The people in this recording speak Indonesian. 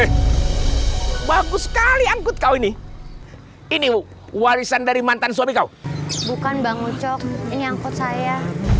eh bagus sekali angkut kau ini ini warisan dari mantan suami kau bukan bang ucok ini angkut saya